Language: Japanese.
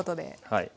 はい。